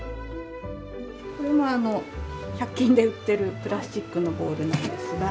これも１００均で売ってるプラスチックのボウルなんですが。